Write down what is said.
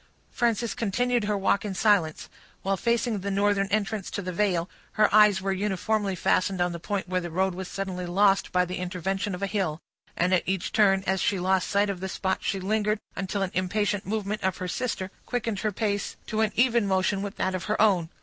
Frances continued her walk in silence. While facing the northern entrance to the vale, her eyes were uniformly fastened on the point where the road was suddenly lost by the intervention of a hill; and at each turn, as she lost sight of the spot, she lingered until an impatient movement of her sister quickened her pace to an even motion with that of her own.